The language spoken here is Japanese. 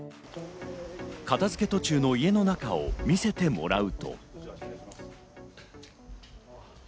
片付け途中の家の中を見せてもらうと。